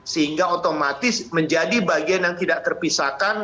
sehingga otomatis menjadi bagian yang tidak terpisahkan